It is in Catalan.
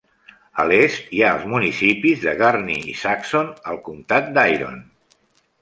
A l'est hi ha els municipis de Gurney i Saxon al comtat d'Iron.